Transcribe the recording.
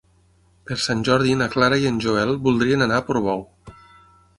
Per Sant Jordi na Clara i en Joel voldrien anar a Portbou.